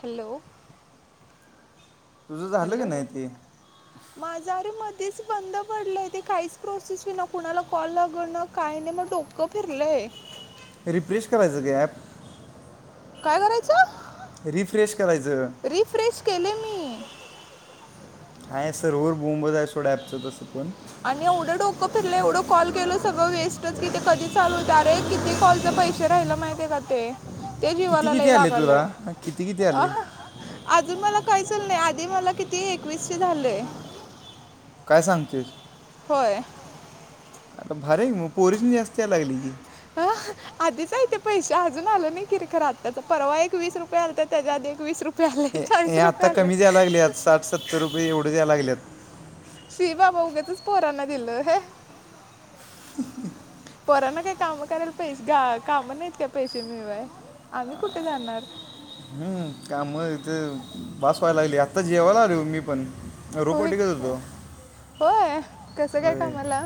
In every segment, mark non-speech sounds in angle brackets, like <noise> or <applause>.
Hello hello माझा रू म तेच बंद पडलंय ते काहीच प्रोसेस विना कुणाला कॉल लागण काय नाही मग डोकं फिरलंय एक रिफ्रेश करायचं की ॲप काय करायचं रिफ्रेश करायचं केले मी हाय सर होर बोंबज आहे सोडा पचं तसं पण आणि एवढं डोकं फिरलं एवढं कॉल केल सगळं वेस्टच कि ते कधी चालू रे किती कॉल पैसे राहिला माहितीय का ते ते जीवाला लई लागलय अ अजून मला काहीचल नाही आधी मला किती एकवीस झालंय काय सांगतेस हो अला भारी मग पोरसी जास्त याला लागली की ह आधीच आहे ते पैसे अजून आल नाही किर खर आता तर परवा एक वीस रुपये आल तर त्याच्या आधी एक वीस रुपये आता कमी द्या लागलेत साठ सत्तर रुपये एवढे द्याय लागलेत सि बाबा उग्याचच पोरांना दिलं ह पोरांना काय काम करायला पैसे काम नाहीत का पैसे मिळवा अ हम्म काम य तर <inaudible> बस व्हायला लागली आत्ता जेवायला रे मी पण होय होय कसं काय कामाला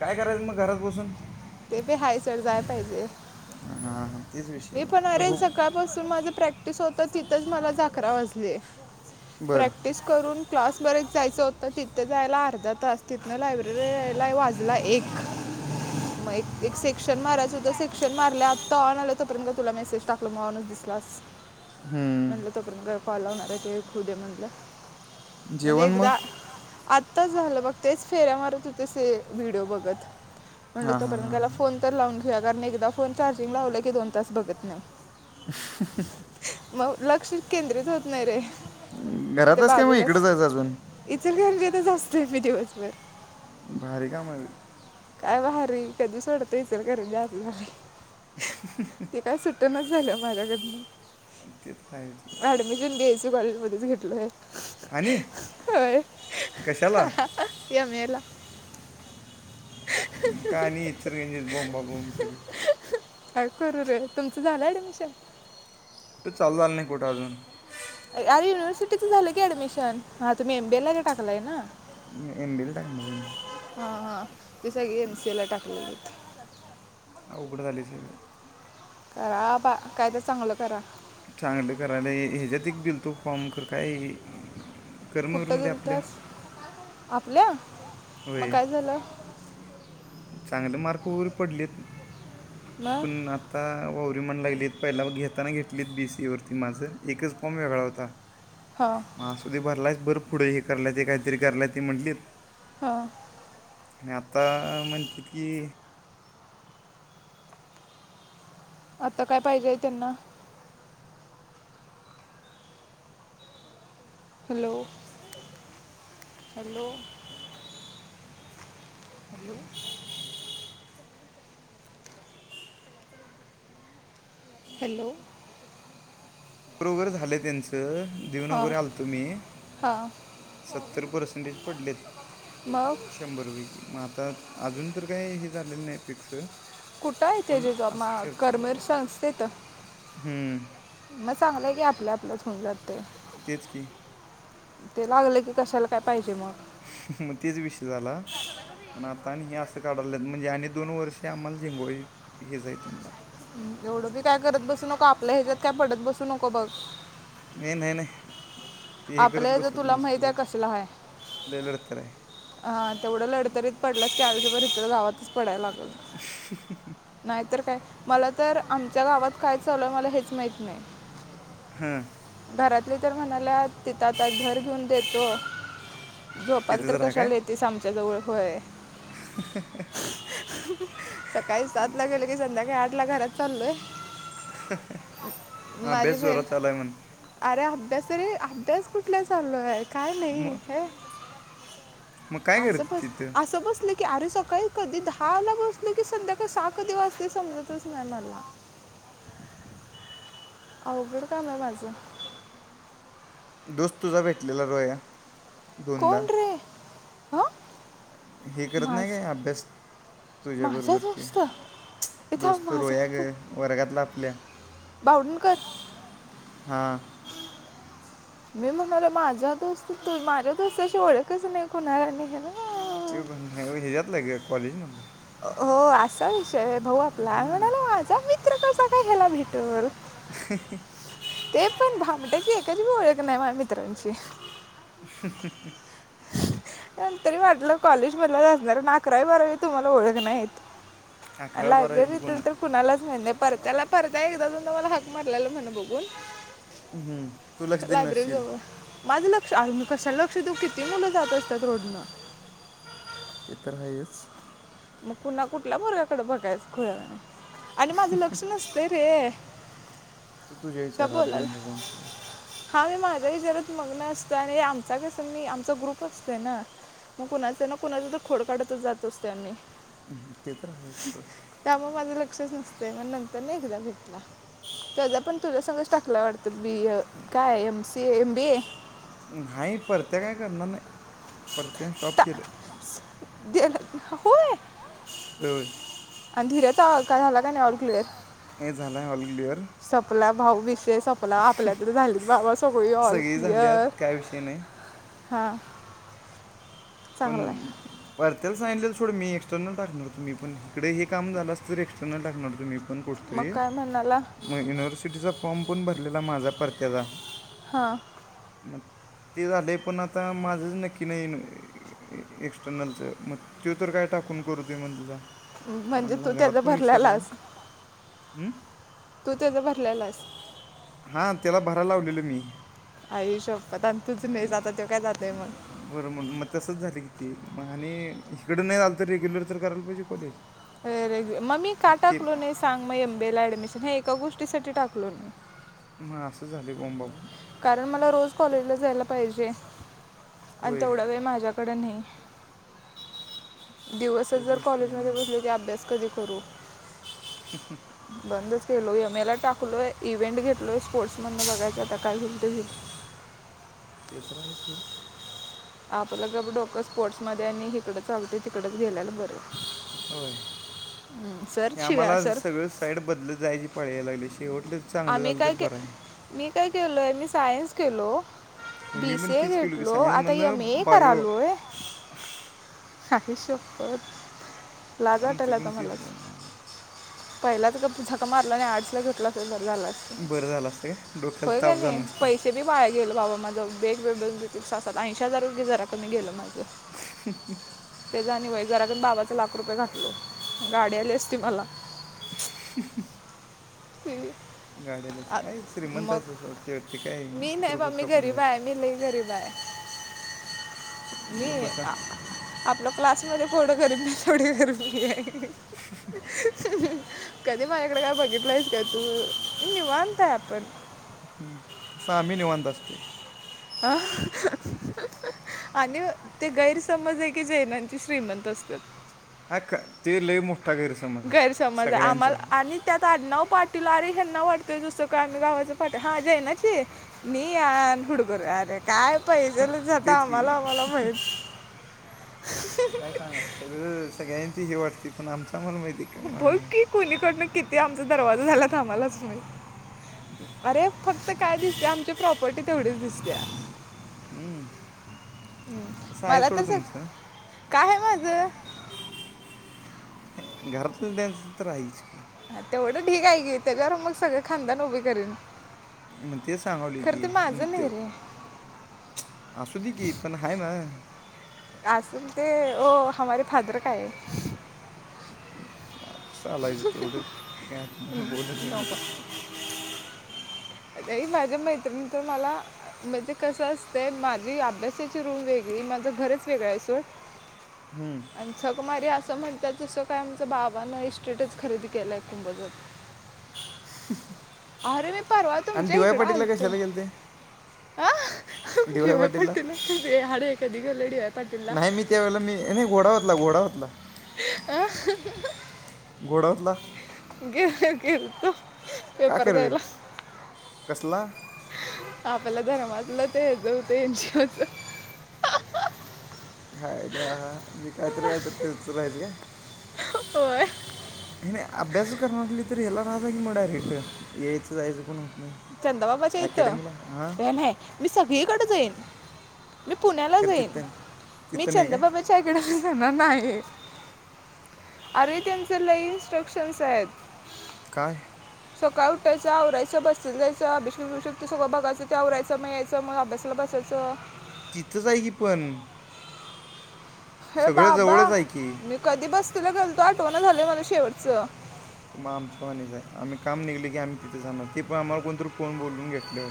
काय करायचं मग घरात बसून ते बे हाय सर जाय पाहिजे मी पण अरे सकाळपासून माझ प्रॅक्ट प्रॅक्टिस होतं तिथंच मला झाकरा वाजले प्रॅक्टिस करून क्लास बरेच जायचं होतं तिथें जायला अर्धा तास तिथनं लायब्ररी यायला वाजला एक मग एक सेक्शन मारय सुद्धा सेक्शन मारले आत्ता ऑन आला तोपर्यंत तुला मेसेज टाकल मगनच दिसलास म्हणटलं तोपर्यंत कॉलवणार आहे की खुद्या म्हणलं. म्हणजे एकदा आत्ताच झालं बघ तेच फेऱ्या मार व्हिडओ बघत म्ह तोर्यंतला फोन तर लावून घे कार एकदा फोन चार्जिंग लावलं की दोन तास बघत नाही म् म् लक्ष केंद्रित होत नाही रे ते बाजूलाच इचलकरंजीत इथेच असते मी दिवसभर भारी काम बाई काय बारी कधी सोडत इचलकरंजी असं झालंय <inaudible> स झाले माझ्याकडन ऍडमिशन बी एससी कॉलेज मध्येच घेतलय. होय या मेला काणी इचरगज बोंबा बोब सगळे. काय करू रे तुमचं झालं ऍडमिशन कुठं चालू झालं नाही कुठं अजून. अर युनिव्हर्सिटीत झालं की ऍडमिशन हा तुम्ही एम बी ए ला टाकलाय ना. एम बी ए ला टाकणार. हा हा ते सगळी एम सी एला टाकलेली. आवघड झाले सगळे. करा बा काय तर चांगलं करा. चांगलं कराला ह्याच्यात एक बिलतो फॉर्म कर काय. कुठं गेल त्यास आपल्या मग काय झालं? चांगले मार्क वगैरे पडलेत पण आता. म्हणायला लागली पहिला व घेताना घेतलीत बी सी वरती माझं एकच फॉर्म वेगळा होता. मग असुदे भरलायच बरं पुढं हे कराय ते काहीतरी कलाय ते म्हटलीत. आणि आता कीे आता काय पाहिजेय त्यांना? हॅलो हॅलो हॅलो हॅलो बरो वगैरे झालं त्यांचं देऊन वगैरे आलतो मी. सत्तर पर्सेंटेज पडलेत शंभरपैकी मग आता. अजून तर काय हे झालेलं नाही फिक्स. कुठं आहे ते जे जॉ करर्मर संस्थेत. मग चांगलंय की आपल्या आपल्यात होऊन जाते. मग तेच विषय झाला पण आता आणि हे असं. काढाल्यात म्हणजे आणि दोन वर्षे आम्हाला झेंगवाई हे जाई त्यांना. एवढं बी काय करत बसू नको आपल्या ह्याच्यात काय पडत बसू नको बघ. नाही नाही नाही. ती हे करत बसत नाही सू जास्त <unintelligible> लढतर आहे हा तेवढं लढतरीत पडलंस की आलजर इत्र गावात. पडाय लागल नाहीतर काय. मला तर आमच्या गावात काय चाल मला हेच माहत नाही. हां घरातली तर म्हणाल्यात, तिथं आता घर घेऊन देतो झोपायला तर कशाला येतीस आमच्या जवळ होय. सकाळी सातला गेलो की संध्याकाळी आठला घरात चाललोय. माझी <unintelligible> अरे अभ्यास रे,, अभ्यास कुठला चालूय, काय नाइ, हे. असं बस, असं बसले की अरे सकाळी कधी दहाला बसलो की संध्याकाळी सहा कधी वाजतय समजतच नाही मला. <inaudible> अवघड कामय माझं. दोस्त तुझा भेटलेला रोया. कोण रे, हं. हे करत नाही काय, अभ्यास. तुझ्या बरोबर ते, दोस्त रोया ग वर्गातला. बावडूनकर. मी म्हणाल माझा दोस्त,, माझ्या दोस्ताची ओळखच नाही कोणाला आणि हे नाऽऽ ते पण हेच्याातलं गऽऽ कॉलेज मधलं. हो, असा विषय व्हय, भाऊ यआपला, मी महणाल माझा मित्र कसा काय ह्याला भेटल. <unintelligible> ते पण भामटं की, एकाचि बिग ओळख नाही माझ्या मित्रांची. हहहह तरी वाटलंच कॉलेज मधलाच असणार, अकरावी बारावी तुम्हाला ओळख नाहीत.. आणि लायब्ररीतल तर कुणालाच माहीत नाई. परत्याला,, परत्या एकदा दोनदा मला हाक मारलेला म्हण बघून. लायब्ररी जवळ माझ लऽऽ अरे मी कशाला लक्ष देऊ किती मुलं जात असतात रोडनं. ते तर हायच.. मग पुन्हा कुठल्या मूकडे बघायचं ख आणि माझं लक्ष नसत रे तर तुझ्यायचं राहात बोम बघून सगळं हा मी माझाही मग्न असतं आणि आमचा कस मी आमचा ग्रुप असतोय ना मग कुणाच ना कूणाची कुणाचा तर खोड काढतच जात असतय आमी ते, तर, आहेत सोड. असच असतय ग नंतर एक्झाम घेतला,, तेज पण तुझ्या संगच टाकलाय वाटतं बीयऽऽ काय M, C, M, B, A नाही परत्या काय करणार नाही,, परत्याने स्टॉप केलं.. ज,, होय. होय आणि धिरयता काय झाला का नाही अॉल क्लिअर हे झालंय ऑलग्लिअर सपला भाऊ, विशय सपला,, आपल्यात तर झाली की बाबा सगळी ऑल क्लियर. हा पण पर त्याला सांगीतलेलं सोड मीएक्सटर्नल टाकणार मी पण इकडे हे काम झालं असतं तर एक्टर्नल टाकणार तुम्हीऽऽ पण कुठतरी मग युनिव्हर्सिटीचा फॉर्म पण भरलेला माझा परत्याचा, हा मग ते झालेय पण आता,, माझंच नक्की नाही. एक्स्टर्नलच,, मग तो तर काय टाकून करू दे मग तुझाऽऽ म्हणजे तू त्याचा भरलेलास. तू त्याचा भरलेलास.. हा त्याला भराय लावलेलं मी. आई शप्पात, आता तूच नाहीस आता तेव काय जातोय मग. ते किती आणि इकडं नाही झाल तर रेग्युलर तर करायला पाहिजे कॉलेज - अ मग मी का टाकलो नाही सांग मग एमबी ला ऍडमिशन ह एका गोष्टी - साठी टाकलो नाही. मग असं झाल बोंबाबोंब - कारण मला रोज कॉलेजला जायला पाहिजे आणि तेवढं का माझ्या - कडं नाही दिवसच जर कॉलेजमध्ये बसले की अभ्यास कधी करू - बंद च केलो एम एला टाकलोय इव्हेंट घेतलोय स्पोर्ट्स मदन बघायच आता का घे! ते तर हायच सोड - आपलं ग डोकं स्पोर्टस मध्ये आणि इकड चालतय तिकडच गेल्यायला बरं! होय आम्हाला सगळं साईड बदलत जायची पाळी यायला लागल्या! शेवटलं चांगलं झालं तर बरं आहे. काय केलय मी सायन्स केलो. बी सी ए घेतलो आता एम ए करालोय! आई शपथ - आमची पण तीच बोंबाबोंब आहे! पहिला तर झक मारला आणि आर्ट्सला घेतला. बरं झालं होयकणी पैसे बी बाळग - गेलं बाबा माझं वेगवेगळसतात <unintelligible> ऐंशी हजारच गेलं माझं जरा कमी - <unintelligible> ते जा आणि व्हय जराकमी लाख रूपये घातलो गाडी आली असती मला! गाडी आली असती काय श्रीमंंत आहेसा सोड ती काय लाख रुपये खपून जात. <inaudible> मी आपलं क्लासमध्ये एवढ गरीब नाही तेवढ गरीब मी आहे. कधी बाझ्याकडे काय बागितल्यास. त्या तू नाही निवांत आहे आपण - हम्म तस आम्ही निवांत असते! आ आणि ते गैरसमज आहे की जैनांचे श्रीमंत असतात. हा का ते लई मोठ - गैरसमज आहे आम्हाला आणि त्यात आडनाव पाटील - टील यांना वाटतेय जसं का आम्ही गावाचं पाटिल हा जैनांची ते मीन हुडगर अरे! काय पैसेला जटा आम्हाला आम्हाला माहित. आता काय सांगा सगळ सगळ्यां हे वाटते! ब की कोणीकडन किती आमचा दरवाजा झालात आम्हालाच माहित. अरे फक्त काय दिसते आमची प्रॉपर्टी तेवढीच दिसते. हम्म हम्म मला तस काय आहे माझ! घरातल्याच तर आहेच की - तेवढं ठीक आहे ग त्याच्यावर मग सगळं खांदान उभे करेन! मग ते की सांगलोय की मग ते - असु दे की पण हाय ना - आसल ते ओ हमारे फादर का आहे. चालायचं तेवढं का बोलत नाही मी ते - <inaudible> नाही माझ्या मैत्रिण मला म्हणजे कसं असतं माझी अभ्यासाची रूम वेगळी - माझं घरच वेगळं आहे सोड - आणि जकमारी असं म्हणतात जसं काय आमच्या बाबाना इस्टेट - सेटच खरेदी केलाय कुंबोजात - अरे मी परवा तुमच्या इकडं आलतो आ! डी वाय पाटील ला हाड ये कधी गेलोय डी वाय पाटील ला. घोडवतला. आ घोडवतला. गेलोय गेलतो. पेपर द्यायला आपल्या घरमाग. आपलं ते हेज होतं हा हा. आयला म्हणजे कायतरी कायतरी करच राहायचं काय. होय. आणि नाही अभ्यास च करणार असलीस तर हेला राह जा की मग डायरेक्ट यायचं जायचं पण होत. चंदाबाबाच्या इथं ए नाही मी सगळीकडे जाईन. मी पुण्याला जाईन मी चंदबाबाच्या इकड जाणार नाही. अरे त्यांचे लई इन्स्ट्रक्शन्स आहेत. काय? सकाळ उठायचं आवरायचं बस जायचं अभिषेक-बीभिषेक ते सगळं बघायं ते आवरायचं म यायंच म अभ्यासाला बसायचं. तिथंच आहे की पण. हे बाबा मी कधी बस्ती ला गेलतो आठवणा झालं मला शेवटच. ते म आमच्या वाणीचे. आम्ही काम निघले की आम्ही तिथे जाणार ते पण आम्हाला कोणतरी फोन बोलून घेतल्यावर.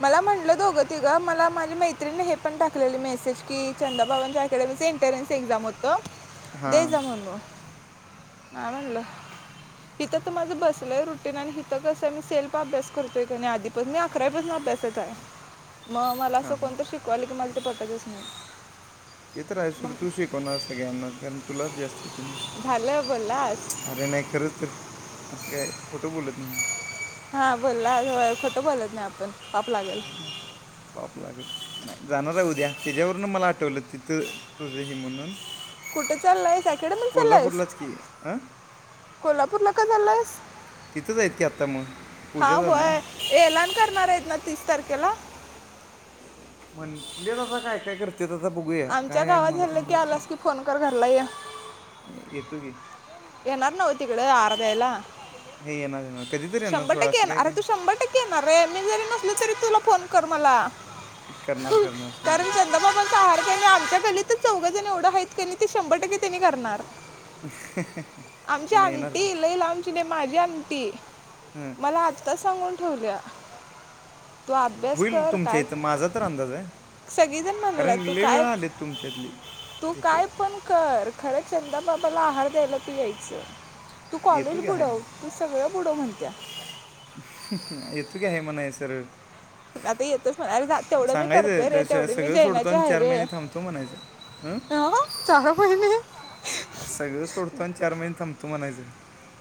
मला म्हटलं दोघं तिघं मला माझी मैत्रिणी हे पण टाकलेली मेसेज की चंदाबाबाच्या अकॅडमी एंटरन्स एक्झाम होत दे जा म्हणून नाय म्हणलं. हिथ त माझं बसलंय रुटीन आणि हिथ कस मी सेल्फ अभ्यास करतोय का नाही आधीपासून मी अकरापासून तसच आहे मग मला असं कोणतं शिकवायलं की मला ते पटतच नाही. ते तर आहे सोड तू शिकवणार सगळ्यांनाच कारण तुलाच जास्त अरे नाही खरंच तर असं काय खोटं बोलत नाही मी. हा बोलला खोटं बोलत नाही आपण. पाप लागल नाही जाणार आहे उद्या त्याच्यावरून मला आठ वलं तिथं तुझ हे म्हणून. कुठे चाललायेस अकॅडमी ला चाललायेस. कोल्हापूरला का चाललायेस. हा होय यलान करणारेत ना तीस तारखे केला. म्हंटलेत आता काय काय कर ते त आता बघूया काये मला पण जास्त येतोकी. येणार नव्ह तिकड आहारदेयला. शंभर टक्के येणार, अरे तू शंभर टक्के येणार रे, मी जरी नसलो तरी तुला फोन कर मला कारण चंदा बाबांचा आहार कणी आमच्या गल्लीत चौघ जण एवढं हाहेत की ते शंभर टक्के तेनी करणार. ह् <unintelligible> आमची आंटी लई लांबची नाही माझी आंटी मला आत्ताच सांगून ठेवल्या तू अभ्यास कर काय सगळीजण म्हणाल्यात तू काय तू काय पण कर खरंचंदा बाबाला आहार द्यायला तु यायचं तू कॉलेज बुडव तू सगळं पुडं म्हणत्या. येतो की हाय म्हणाय सरळ. आता येतोच म्हणाय अरे तेवढं मी करतोय रे तेवढी मी जैनाची हाय रे. ह चार महिने. स सगळं सोडतो आणि चार महिने थांबतो म्हणायचं.